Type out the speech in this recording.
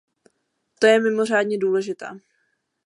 To je mimořádně důležité.